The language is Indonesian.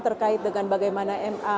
terkait dengan bagaimana ma